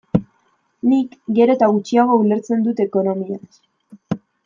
Nik gero eta gutxiago ulertzen dut ekonomiaz.